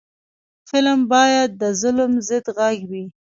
فلم باید د ظلم ضد غږ وي